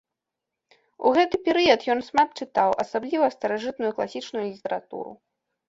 У гэты перыяд ён шмат чытаў, асабліва старажытную класічную літаратуру.